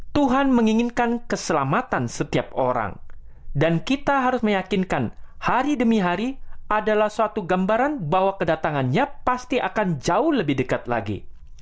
tuhan menginginkan keselamatan setiap orang dan kita harus meyakinkan hari demi hari adalah suatu gambaran bahwa kedatangannya pasti akan jauh lebih dekat lagi